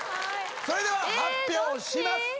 それでは発表します。